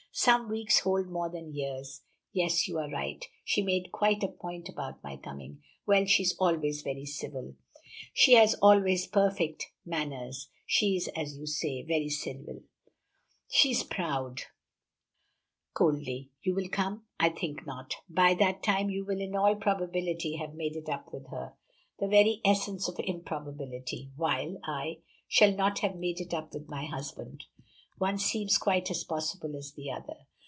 "Some weeks hold more than years. Yes, you are right; she made quite a point about my coming. Well, she is always very civil." "She has always perfect manners. She is, as you say, very civil." "She is proud," coldly. "You will come?" "I think not. By that time you will in all probability have made it up with her." "The very essence of improbability." "While I shall not have made it up with my husband." "One seems quite as possible as the other."